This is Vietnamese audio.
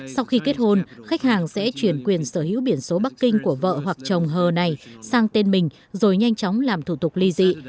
sau khi kết hôn khách hàng sẽ chuyển quyền sở hữu biển số bắc kinh của vợ hoặc chồng hờ này sang tên mình rồi nhanh chóng làm thủ tục ly dị